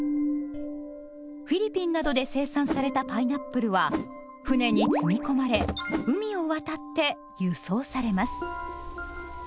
フィリピンなどで生産されたパイナップルは船に積み込まれ海を渡って「輸送」されます。